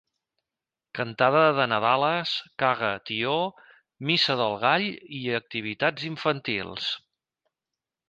Cantada de nadales, caga tió, missa del gall i activitats infantils.